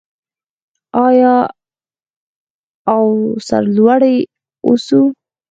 آیا او سرلوړي اوسو؟